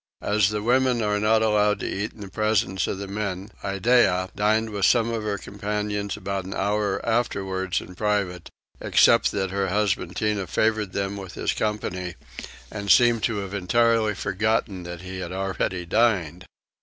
As the women are not allowed to eat in presence of the men Iddeah dined with some of her companions about an hour afterwards in private, except that her husband Tinah favoured them with his company and seemed to have entirely forgotten that he had already dined.